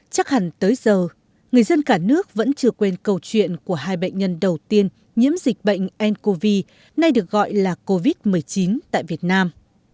chắc hẳn tới giờ người dân cả nước vẫn chưa quên câu chuyện của hai bệnh nhân đầu tiên nhiễm dịch bệnh ncov nay được gọi là covid một mươi chín tại việt nam